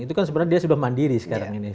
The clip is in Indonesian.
itu kan sebenarnya dia sudah mandiri sekarang ini